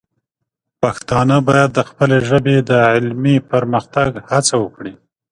پښتانه باید د خپلې ژبې د علمي پرمختګ هڅه وکړي.